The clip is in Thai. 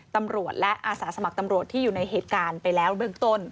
ตำรวจและอาสาสมัครตำรวจที่อยู่ในเหตุการณ์ไปแล้วเบื้องต้น